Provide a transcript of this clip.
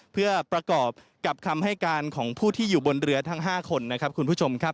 เพื่อประกอบกับคำให้การของผู้ที่อยู่บนเรือทั้ง๕คน